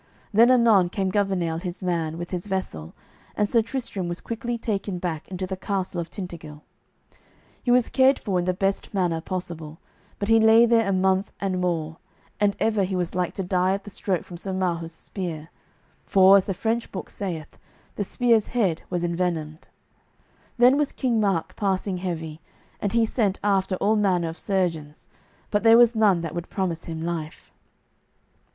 Then anon came Gouvernail, his man, with his vessel, and Sir Tristram was quickly taken back into the castle of Tintagil. He was cared for in the best manner possible, but he lay there a month and more, and ever he was like to die of the stroke from Sir Marhaus' spear, for, as the French book saith, the spear's head was envenomed. Then was King Mark passing heavy, and he sent after all manner of surgeons, but there was none that would promise him life.